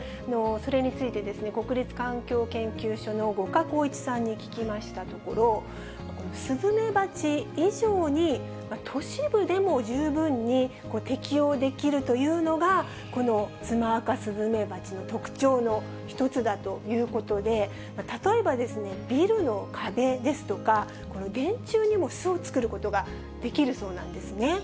それについて、国立環境研究所の五箇公一さんに聞きましたところ、スズメバチ以上に、都市部でも十分に適応できるというのが、このツマアカスズメバチの特徴の一つだということで、例えばビルの壁ですとか、電柱にも巣を作ることができるそうなんですね。